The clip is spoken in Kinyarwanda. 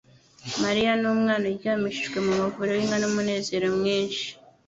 Mariya n'Umwana uryamishijwe mu muvure w'inka N'umunezero mwinshi